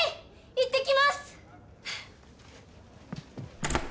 行ってきます！